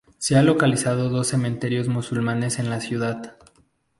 Se han localizado dos cementerios musulmanes en la ciudad.